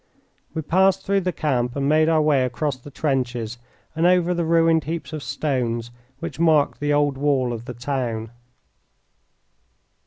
We passed through the camp and made our way across the trenches and over the ruined heaps of stones which marked the old wall of the town.